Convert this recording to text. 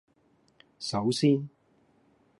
首先